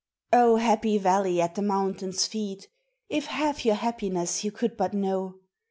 OH, happy valley at the mountain's feet, If half your happiness you could but know!